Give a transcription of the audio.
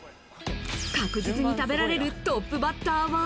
確実に食べられるトップバッターは。